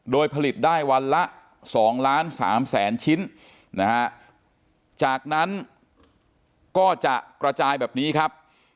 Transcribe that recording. โดยผลิตได้วันละ๒๓๐๐๐๐๐ชิ้นจากนั้นก็จะกระจายแบบนี้ครับ